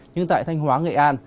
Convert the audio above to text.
nhưng tại thanh hóa nghệ an